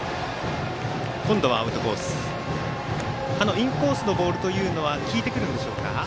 インコースのボールは効いてくるんでしょうか。